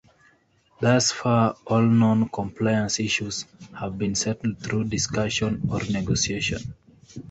Thus far all non-compliance issues have been settled through discussion or negotiation.